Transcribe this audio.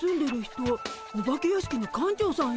お化け屋敷の館長さんやってるのよ。